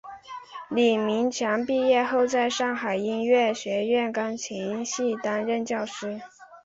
李名强毕业后在上海音乐学院钢琴系担任教师。